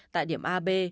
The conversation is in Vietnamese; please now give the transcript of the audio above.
tại điểm ab